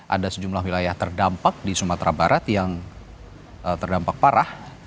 ada sejumlah wilayah terdampak di sumatera barat yang terdampak parah